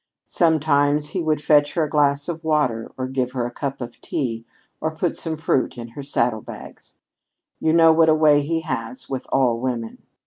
Sometimes he would fetch her a glass of water, or give her a cup of tea, or put some fruit in her saddle bags. You know what a way he has with all women!